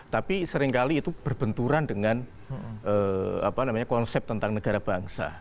tapi seringkali itu berbenturan dengan konsep tentang negara bangsa